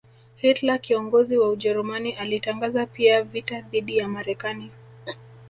Hitler kiongozi wa Ujerumani alitangaza pia vita dhidi ya Marekani